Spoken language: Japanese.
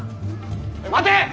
待て！